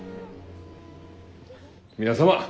皆様